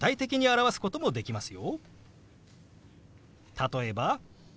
例えば。